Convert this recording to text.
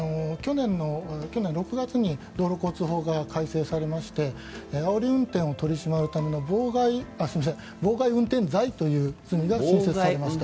去年６月に道路交通法が改正されましてあおり運転を取り締まるための妨害運転罪という罪が新設されました。